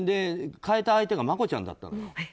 変えた相手がマコちゃんだったの。